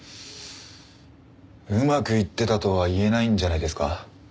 うまくいってたとは言えないんじゃないですか。